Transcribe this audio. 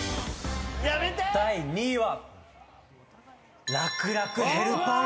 第２位は。